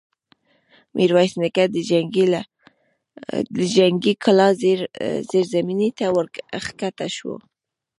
ميرويس نيکه د جنګي کلا زېرزميني ته ور کښه شو.